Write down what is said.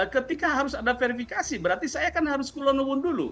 ketika harus ada verifikasi berarti saya harus keluar dulu